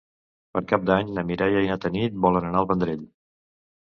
Per Cap d'Any na Mireia i na Tanit volen anar al Vendrell.